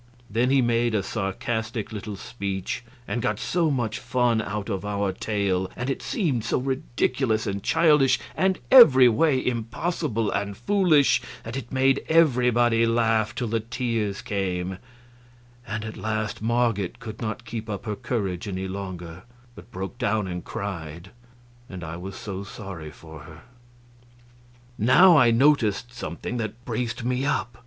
Then he made a sarcastic little speech, and got so much fun out of our tale, and it seemed so ridiculous and childish and every way impossible and foolish, that it made everybody laugh till the tears came; and at last Marget could not keep up her courage any longer, but broke down and cried, and I was so sorry for her. Now I noticed something that braced me up.